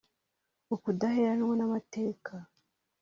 ukudaheranwa n’amateka